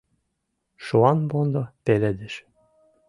Шуанвондо пеледыш.